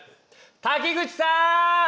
滝口さん！